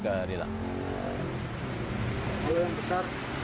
kalau yang besar